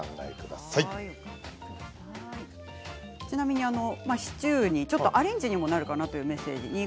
ちなみにシチューにちょっとアレンジにもなるかなというメッセージ